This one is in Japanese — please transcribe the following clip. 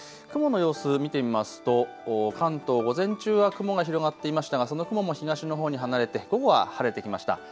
雲の様子見てみますと関東、午前中は雲が広がっていましたがその雲も東のほうに離れて午後は晴れてきました。